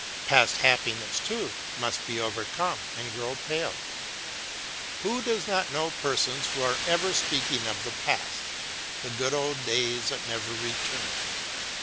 Past happiness, too, must be over come and grow pale. Who does not know persons who are ever speaking of the past, the good old days that never return